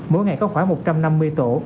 mỗi ngày có khoảng một trăm năm mươi tổ